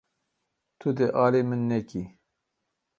Tu dê alî min nekî.